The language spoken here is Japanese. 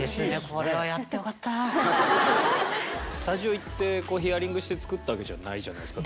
これはスタジオ行ってヒアリングして作ったわけじゃないじゃないですか。